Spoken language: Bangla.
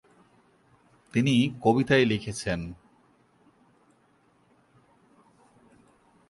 তিনি কবিতায় লিখেছেন।